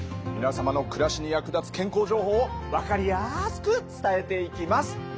皆様の暮らしに役立つ健康情報を分かりやすく伝えていきます。